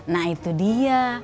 nah itu dia